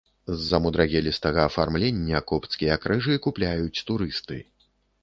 З-за мудрагелістага афармлення копцкія крыжы купляюць турысты.